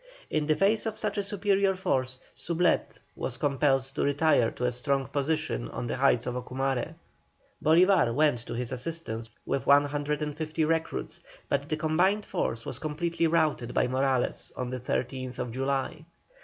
In the face of such a superior force, Soublette was compelled to retire to a strong position on the heights of Ocumare. Bolívar went to his assistance with 150 recruits, but the combined force was completely routed by Morales on the 13th July.